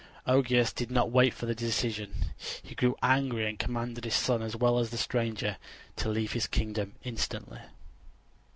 Augeas did not wait for the decision; he grew angry and commanded his son as well as the stranger to leave his kingdom instantly.